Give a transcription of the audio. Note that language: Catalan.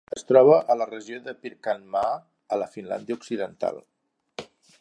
Es troba a la regió de Pirkanmaa, a la Finlàndia occidental.